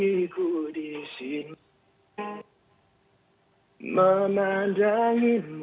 ini lagu target apartemen dan explainasi